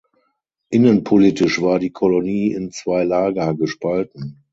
Innenpolitisch war die Kolonie in zwei Lager gespalten.